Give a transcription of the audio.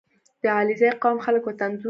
• د علیزي قوم خلک وطن دوست دي.